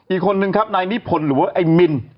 อีกคนนึงครับนายนิพนธ์หรือว่าไอ้มิน